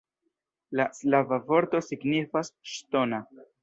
La slava vorto signifas ŝtona.